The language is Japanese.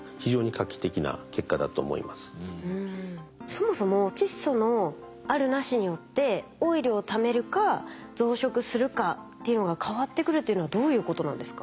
そもそも窒素のあるなしによってオイルをためるか増殖するかっていうのが変わってくるっていうのはどういうことなんですか？